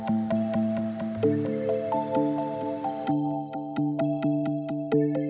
atau proses pembangunan dki